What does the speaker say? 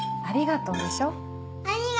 ありがとう。